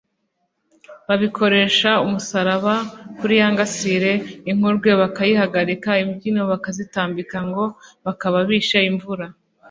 babikoresha umusaraba kuri ya ngasire ,inkurwe bakayihagarika, imbyiro bakazitambika, ngo bakaba bishe imvura